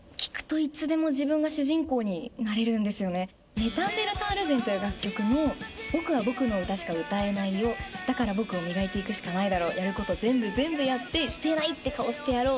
「ネタンデルタール人」という楽曲も僕は僕の歌しか歌えないよだから僕を磨いていくしかないだろうやること全部全部やってしてないって顔してやろう。